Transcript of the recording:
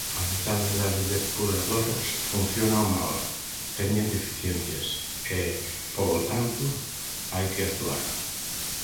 A metade das depuradoras funcionan mal, teñen deficiencias e, polo tanto, hai que actuar.